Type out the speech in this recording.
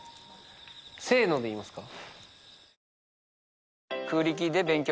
せので言いますか？